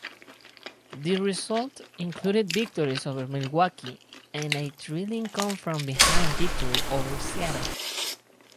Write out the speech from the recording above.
The result included victories over Milwaukee and a thrilling come-from-behind victory over Seattle.